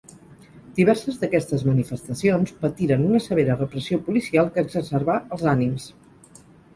Diverses d'aquestes manifestacions patiren una severa repressió policial que exacerbà els ànims.